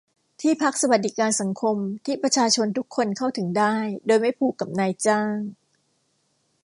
ที่พักสวัสดิการสังคมที่ประชาชนทุกคนเข้าถึงได้ โดยไม่ผูกกับนายจ้าง